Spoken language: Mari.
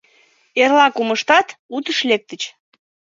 Эрла-кумыштат утыш лектыч...